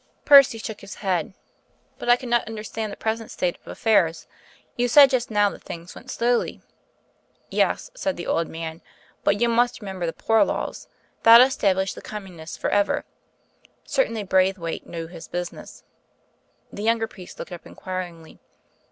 Percy shook his head. "Yes; but I cannot understand the present state of affairs. You said just now that things went slowly?" "Yes," said the old man, "but you must remember the Poor Laws. That established the Communists for ever. Certainly Braithwaite knew his business." The younger priest looked up inquiringly.